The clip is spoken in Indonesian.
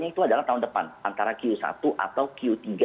tapi itu dalam tahun depan antara q satu atau q tiga dua ribu dua puluh dua